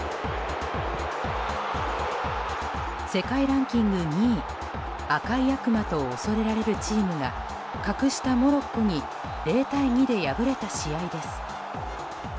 世界ランキング２位赤い悪魔と恐れられるチームが格下モロッコに０対２で敗れた試合です。